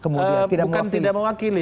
bukan tidak mewakili